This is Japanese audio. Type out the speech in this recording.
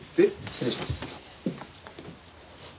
失礼します。